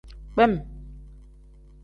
Kpem.